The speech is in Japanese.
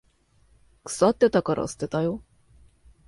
腐ってたから捨てたよ。